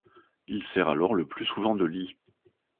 Il sert alors le plus souvent de lit.